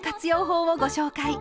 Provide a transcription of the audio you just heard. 法をご紹介。